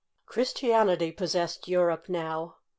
Christianity possessed Europe now.